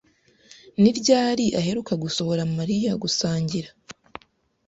Ni ryari aheruka gusohora Mariya gusangira?